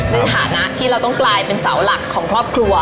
ในฐานะที่เราต้องกลายเป็นเสาหลักของครอบครัว